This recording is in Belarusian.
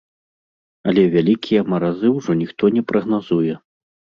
Але вялікія маразы ўжо ніхто не прагназуе.